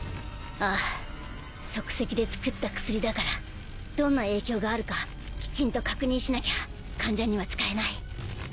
ああ即席でつくった薬だからどんな影響があるかきちんと確認しなきゃ患者には使えない。